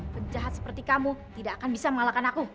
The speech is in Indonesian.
penjahat seperti kamu tidak akan bisa mengalahkan aku